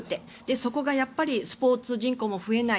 そこがやっぱりスポーツ人口も増えない。